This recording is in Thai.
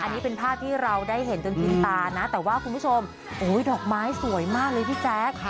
อันนี้เป็นภาพที่เราได้เห็นจนกินตานะแต่ว่าคุณผู้ชมดอกไม้สวยมากเลยพี่แจ๊ค